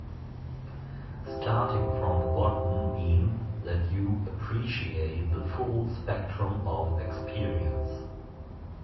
Starting from the bottom means that you appreciate the full spectrum of experience.